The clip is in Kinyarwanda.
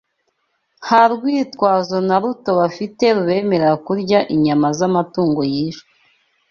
Nta rwitwazo na ruto bafite rubemerera kurya inyama z’amatungo yishwe